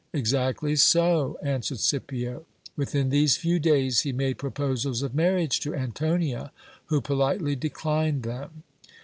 Exactly so, answered Scipio ; within these few days he made proposals of marriage to Antonia, who politely declined them.